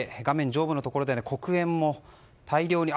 上部のところに黒煙も大量に。